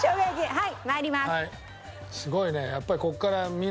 はい。